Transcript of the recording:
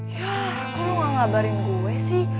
yah kok lo gak ngabarin gue sih